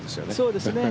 そうですね。